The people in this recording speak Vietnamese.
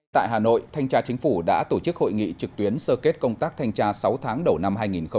tại hà nội thanh tra chính phủ đã tổ chức hội nghị trực tuyến sơ kết công tác thanh tra sáu tháng đầu năm hai nghìn một mươi chín